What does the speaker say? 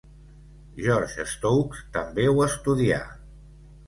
George Stokes també ho estudià.